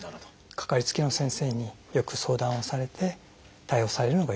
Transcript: かかりつけの先生によく相談をされて対応されるのがよいと思います。